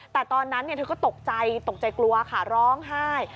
แต่ตอนนั้นเธอก็ตกใจตกใจกลัวค่ะร้องไห้